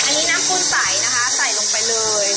อันนี้น้ำปูนใสนะคะใส่ลงไปเลย